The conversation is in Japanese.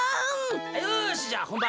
よしじゃあほんばん。